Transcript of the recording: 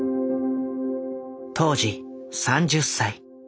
当時３０歳。